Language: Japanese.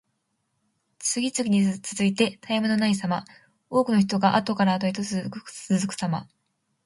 次々に続いて絶え間のないさま。多くの人があとからあとへと続くさま。